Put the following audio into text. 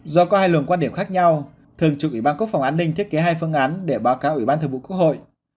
do có hai luồng quan điểm khác nhau thường trực ủy ban quốc phòng an ninh thiết kế hai phương án để báo cáo ủy ban thường vụ quốc hội